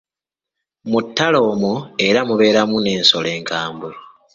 Mu ttale omwo era mubeeramu n'ensolo enkambwe.